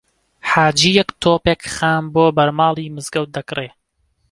حاجییەک تۆپێک خام بۆ بەرماڵی مزگەوت دەکڕێ